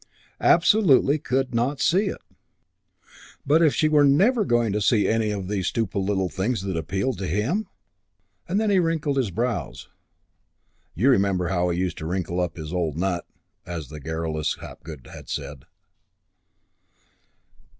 Absolutely could not see it. But if she were never going to see any of these stupid little things that appealed to him ? And then he wrinkled his brows. "You remember how he used to wrinkle up his old nut," as the garrulous Hapgood had said.